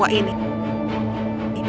kau tidak bisa mengatakan semua ini